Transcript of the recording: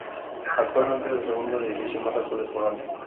Actualmente es el segundo edificio más alto de Polonia.